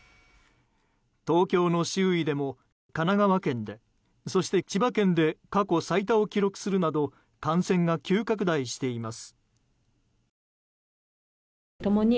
東京の周囲でも神奈川県でそして千葉県で過去最多を記録するなど感染が急拡大しています。